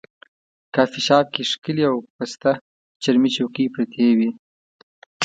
کافي شاپ کې ښکلې او پسته چرمي چوکۍ پرتې وې.